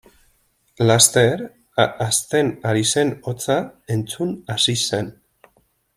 Laster, hazten ari zen hotsa entzun hasi zen.